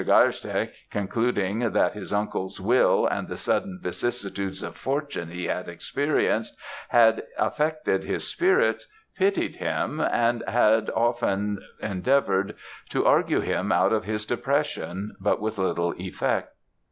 Geierstecke concluding that his uncle's will, and the sudden vicissitudes of fortune he had experienced, had affected his spirits, pitied him; and had often endeavoured to argue him out of his depression, but with little effect.